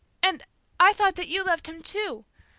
And I thought that you loved Him too.